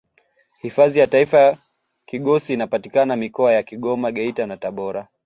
hifadhi ya taifa kigosi inapatikana mikoa ya kigoma geita na tabora